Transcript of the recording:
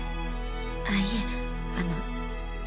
ああいえあの。